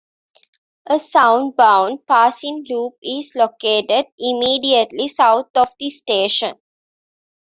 A soundbound passing loop is located immediately south of the station.